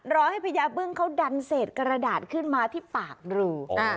รอให้พญาบึ้งเขาดันเศษกระดาษขึ้นมาที่ปากรู